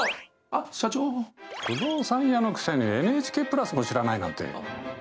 不動産屋のくせにＮＨＫプラスも知らないなんて。